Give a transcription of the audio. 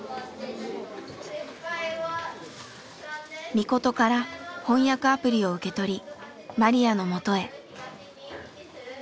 みことから翻訳アプリを受け取りマリヤのもとへ。